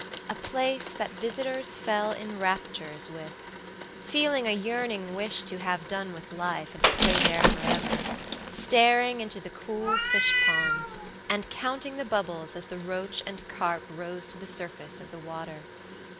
A place that visitors fell in raptures with; feeling a yearning wish to have done with life, and to stay there forever, staring into the cool fish ponds and counting the bubbles as the roach and carp rose to the surface of the water.